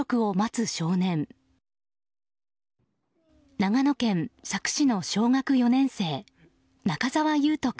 長野県佐久市の小学４年生中沢維斗君。